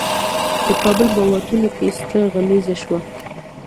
د کابل په واټونو کې ستره غمیزه شوه.